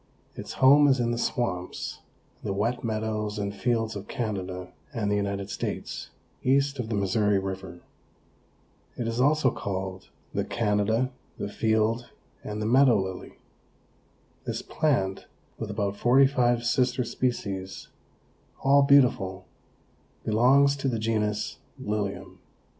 Its home is in the swamps, the wet meadows and fields of Canada and the United States, east of the Missouri river. It is also called the Canada, the Field and the Meadow Lily. This plant, with about forty five sister species all beautiful, belongs to the genus Lilium.